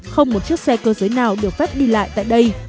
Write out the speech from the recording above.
không một chiếc xe cơ giới nào được phép đi lại tại đây